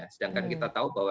sedangkan kita tahu bahwa